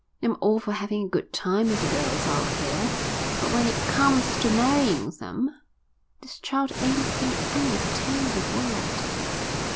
"I'm all for having a good time with the girls out here, but when it comes to marrying them this child ain't taking any, I'll tell the world."